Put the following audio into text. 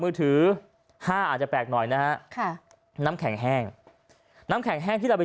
มือถือห้าอาจจะแปลกหน่อยนะฮะค่ะน้ำแข็งแห้งน้ำแข็งแห้งที่เราไป